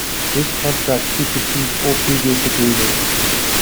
This contract supersedes all previous agreements.